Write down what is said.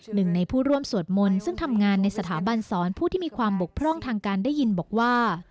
หนึ่งในผู้ร่วมสวดมนต์ซึ่งทำงานในสถาบันสอนผู้ที่มีความบกพร่องทางการได้ยินบอกว่า